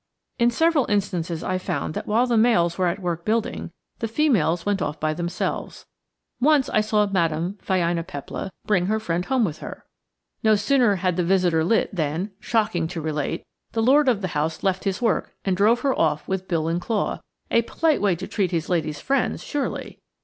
In several instances I found that while the males were at work building, the females went off by themselves. Once I saw Madame Phainopepla bring her friend home with her. No sooner had the visitor lit than shocking to relate the lord of the house left his work and drove her off with bill and claw a polite way to treat his lady's friends, surely!